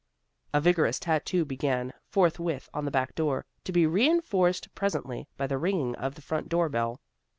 A vigorous tattoo began forthwith on the back door, to be reinforced presently by the ringing of the front door bell.